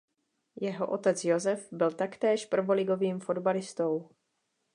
Jeho otec Josef byl taktéž prvoligovým fotbalistou.